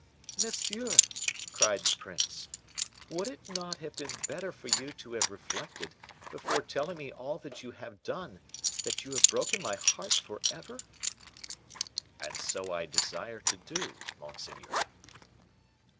"Monsieur," cried the prince, "would it not have been better for you to have reflected, before telling me all that you have done, that you have broken my heart forever?" "And so I desire to do, monseigneur."